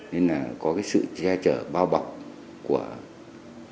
nên là có sự che chở bao bọc của đối tượng phi nã